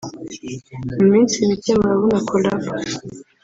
mu minsi mike murabona Collabo